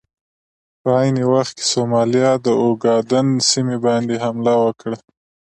په عین وخت کې سومالیا د اوګادن سیمې باندې حمله وکړه.